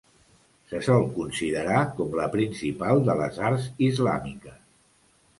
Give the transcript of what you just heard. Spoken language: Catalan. Se sol considerar com la principal de les arts islàmiques.